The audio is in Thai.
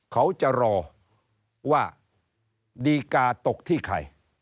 เขาจะรอว่าดีกาตกที่ใคร